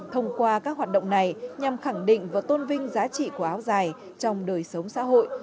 thông qua các hoạt động này nhằm khẳng định và tôn vinh giá trị của áo dài trong đời sống xã hội